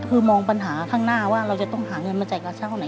คือมองปัญหาข้างหน้าว่าเราจะต้องหาเงินมาจ่ายค่าเช่าไหน